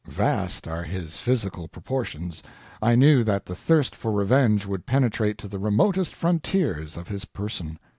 Vast as are his physical proportions, I knew that the thirst for revenge would penetrate to the remotest frontiers of his person.